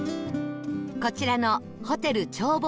こちらのホテル眺望